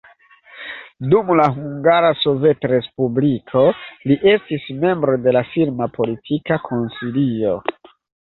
Dum la Hungara Sovetrespubliko li estis membro de la filma politika konsilio.